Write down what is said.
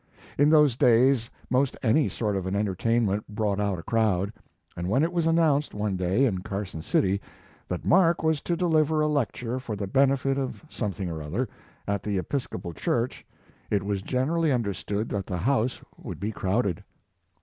In those days most any sort of an enter tainment brought out a crowd, and when it was announced one day in Carson City that Mark was to deliver a lecture for the benefit of something or other, at the Episcopal Church, it was generally un His Life and Work. 69 derstood that the house would be crowded.